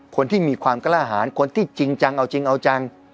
คนที่มีความกล้าหารคนที่จริงจังเอาจริงเอาจัง